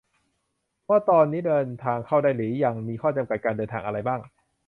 ว่าตอนนี้เดินทางเข้าได้หรือยัง มีข้อจำกัดการเดินทางอะไรบ้าง